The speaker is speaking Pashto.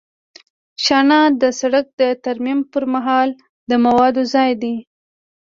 شانه د سرک د ترمیم پر مهال د موادو ځای دی